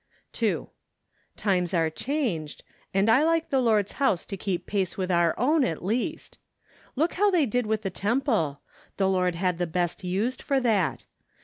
2. " Times are changed, and I like the Lord's house to keep pace with our own, at least. Look how they did with the Temple. The Lord had the best used for that.